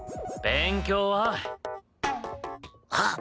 勉強は？あっ！